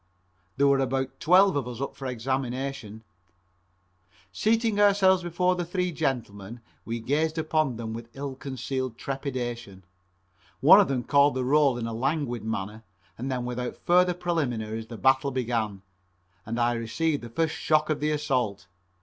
There were about twelve of us up for examination. Seating ourselves before the three gentlemen, we gazed upon them with ill concealed trepidation. One of them called the roll in a languid manner, and then without further preliminaries the battle began, and I received the first shock of the assault.